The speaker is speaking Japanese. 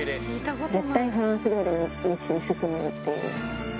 絶対フランス料理の道に進むっていう。